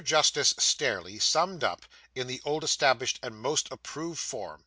Justice Stareleigh summed up, in the old established and most approved form.